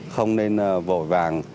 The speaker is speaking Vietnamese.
không nên vội vàng